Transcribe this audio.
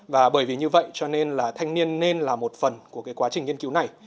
và bởi vì như vậy cho nên là thanh niên nên là một phần của quá trình nghiên cứu này